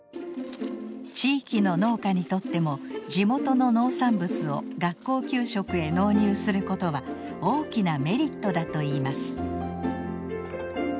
地域の農家にとっても地元の農産物を学校給食へ納入することは大きなメリットだといいます。